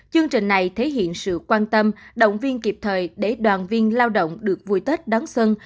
chương trình này thể hiện sự quan tâm động viên kịp thời để đoàn viên lao động được vui tết đón xuân